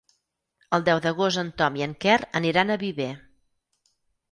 El deu d'agost en Tom i en Quer aniran a Viver.